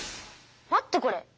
待ってこれ。